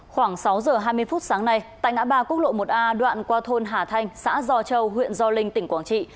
khoảng sáu h hai mươi phút sáng nay tại ngã ba quốc lộ một a đoạn qua thôn hà thanh xã gio châu huyện gio linh tỉnh quảng trị